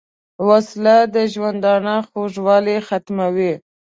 وسله د ژوندانه خوږوالی ختموي